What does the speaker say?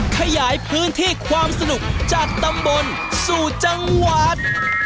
ขยายพื้นที่ความสนุกจากตำบลสู่จังหวัด